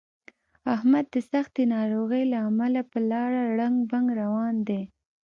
احمد د سختې ناروغۍ له وجې په لاره ړنګ بنګ روان دی.